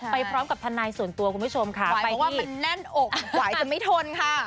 ไปพร้อมกับทนายส่วนตัวคุณผู้ชมค่ะเพราะว่ามันแน่นอกไหวจะไม่ทนค่ะ